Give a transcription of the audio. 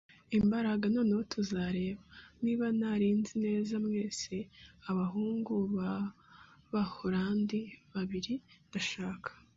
imbaraga. Noneho tuzareba. Niba nari nzi neza mwese, abahungu b'Abaholandi babiri, ndashaka